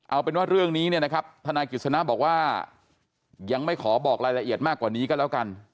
เอาเป็นว่าเรื่องนี้เนี่ยนะครับทนายกฤษณะบอกว่ายังไม่ขอบอกรายละเอียดมากกว่านี้ก็แล้วกัน